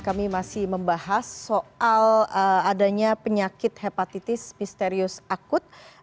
kami masih membahas soal adanya penyakit hepatitis misterius akut